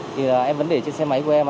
thì em vẫn để trên xe máy của em